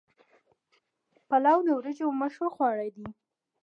پلاو د وریجو مشهور خواړه دي.